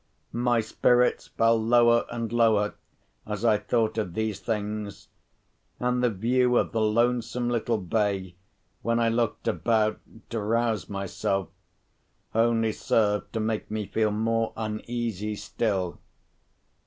My spirits fell lower and lower as I thought of these things—and the view of the lonesome little bay, when I looked about to rouse myself, only served to make me feel more uneasy still.